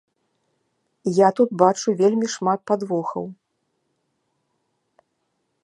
Я тут бачу вельмі шмат падвохаў.